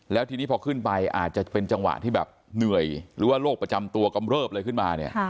แล้วทีนี้พอขึ้นไปอาจจะเป็นจังหวะที่แบบเหนื่อยหรือว่าโรคประจำตัวกำเริบเลยขึ้นมาเนี่ย